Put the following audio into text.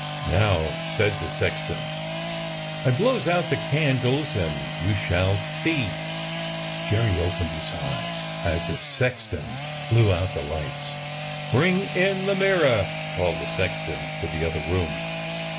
"Now," said the sexton, "I blows out the candles and you shall see." Jerry opened his eyes as the sexton blew out the lights. "Bring in the mirror!" called the sexton to the other room.